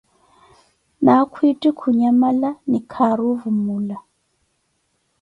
Naakhwitti khunyamala, ni khaari ovumula.